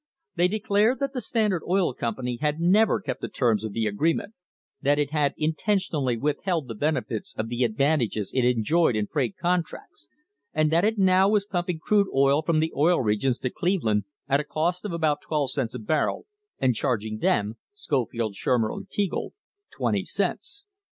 They declared that the Standard Oil Company had never kept the terms of the agreement, that it had intentionally withheld the benefits of the advantages it enjoyed in freight contracts, and that it now was pumping crude oil from the Oil Regions to Cleve land at a cost of about twelve cents a barrel and charging them (Scofield, Shurmer and Teagle) twenty cents.